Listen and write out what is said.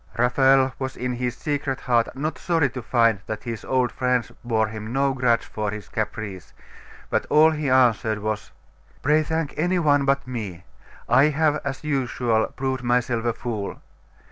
Raphael was in his secret heart not sorry to find that his old friends bore him no grudge for his caprice; but all he answered was 'Pray thank any one but me; I have, as usual, proved myself a fool.